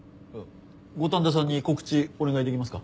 五反田さんに告知お願いできますか？